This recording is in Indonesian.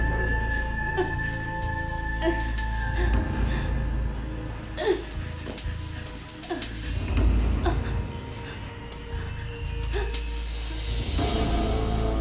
kau tidak bisa membunuhnya